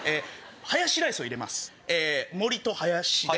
ハヤシライスを入れます森と林で。